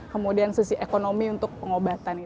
kemudian sisi ekonomi untuk pengobatan